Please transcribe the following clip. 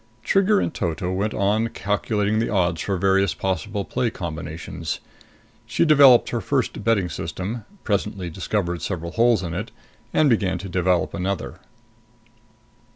Trigger in toto went on calculating the odds for various possible play combinations. She developed her first betting system, presently discovered several holes in it, and began to develop another.